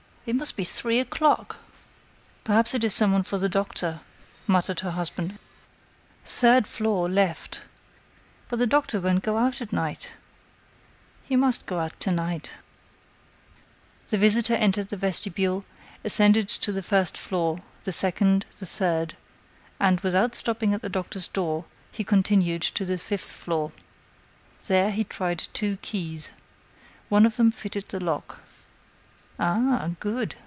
It must be three o'clock!" "Perhaps it is some one for the doctor," muttered her husband. At that moment, a voice inquired: "Doctor Harel .... what floor?" "Third floor, left. But the doctor won't go out at night." "He must go to night." The visitor entered the vestibule, ascended to the first floor, the second, the third, and, without stopping at the doctor's door, he continued to the fifth floor. There, he tried two keys. One of them fitted the lock. "Ah! good!"